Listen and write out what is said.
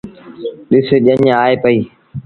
ڏس ڄڃ آئي پئيٚ۔